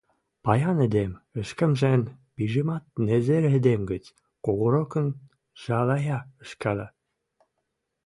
Паян эдем ӹшкӹмжӹн пижӹмат незер эдем гӹц когоракын жӓлая ӹшкӓлӓ...